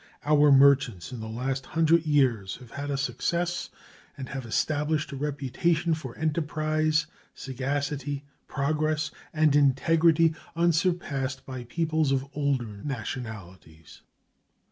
Our merchants in the last hundred years have had a success and have established a reputation for enterprise, sagacity, progress, and integrity unsurpassed by peoples of older nationalities.